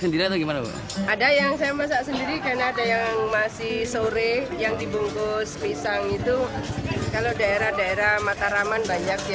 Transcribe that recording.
kofifa mencari jenis yang lebih mudah untuk dimasak